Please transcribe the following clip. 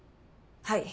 はい。